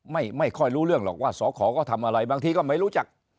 ไม่ค่อยรู้เรื่องหรอกว่าสอขอก็ทำอะไรบางทีก็ไม่รู้จัก